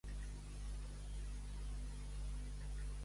Què més té.